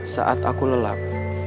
saat aku lelap